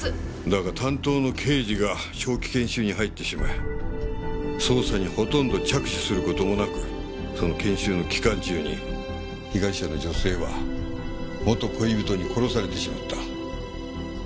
だが担当の刑事が長期研修に入ってしまい捜査にほとんど着手する事もなくその研修の期間中に被害者の女性は元恋人に殺されてしまった。